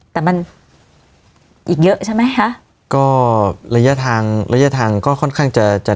แต่มันอีกเยอะใช่ไหมคะก็ระยะทางระยะทางก็ค่อนข้างจะจะ